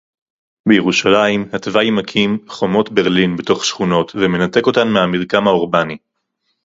בירושלים התוואי מקים חומות ברלין בתוך שכונות ומנתק אותן מהמרקם האורבני